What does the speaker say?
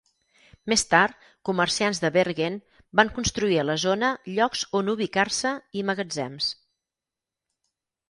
Més tard, comerciants de Bergen van construir a la zona llocs on ubicar-se i magatzems.